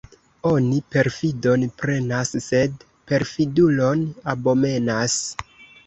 Oni perfidon prenas, sed perfidulon abomenas.